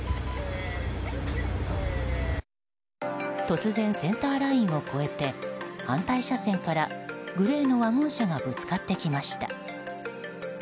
突然、センターラインを越えて反対車線からグレーのワゴン車がぶつかってきました。